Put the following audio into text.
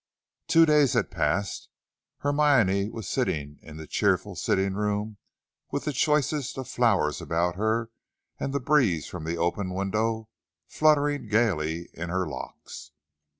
Two days had passed. Hermione was sitting in the cheerful sitting room with the choicest of flowers about her and the breeze from the open window fluttering gayly in her locks.